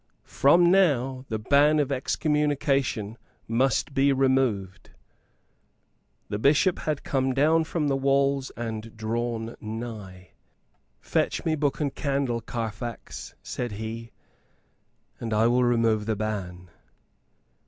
From now the ban of excommunication must be removed." The Bishop had come down from the walls and had drawn nigh. "Fetch me book and candle, Carfax," said he, "and I will remove the ban."